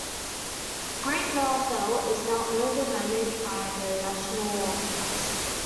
Great Mell Fell is now owned and managed by the National Trust.